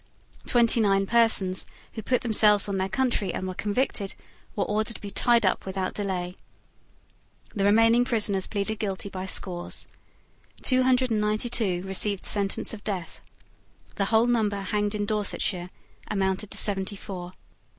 Twenty nine persons, who put themselves on their country and were convicted, were ordered to be tied up without delay. The remaining prisoners pleaded guilty by scores. Two hundred and ninety two received sentence of death. The whole number hanged in Dorsetshire amounted to seventy four.